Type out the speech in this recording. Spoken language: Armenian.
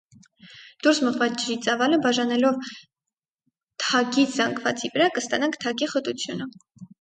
Դուրս մղված ջրի ծավալը բաժանելով թագի զանգվածի վրա, կստանանք թագի խտությունը։